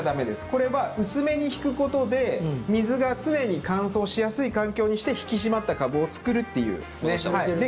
これは薄めに敷くことで水が常に乾燥しやすい環境にして引き締まった株を作るっていうことですね。